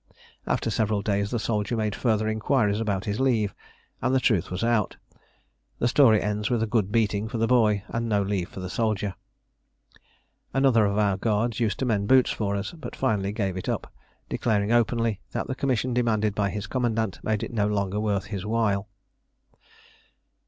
After several days the soldier made further inquiries about his leave, and the truth was out. The story ends with a good beating for the boy and no leave for the soldier. Another of our guards used to mend boots for us, but finally gave it up, declaring openly that the commission demanded by his commandant made it no longer worth his while.